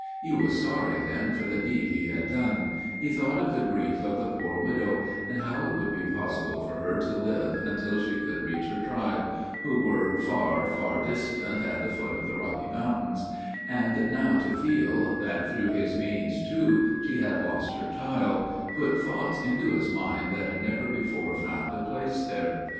He was sorry then for the deed he had done; he thought of the grief of the poor widow, and how it would be possible for her to live until she could reach her tribe, who were far, far distant, at the foot of the Rocky Mountains; and now to feel, that, through his means, too, she had lost her child, put thoughts into his mind that had never before found a place there.